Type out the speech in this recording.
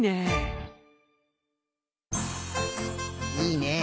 いいね！